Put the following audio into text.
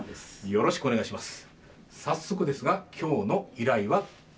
よろしくお願いします。